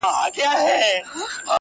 وي دردونه په سيــــنـــــوكـــــــــي؛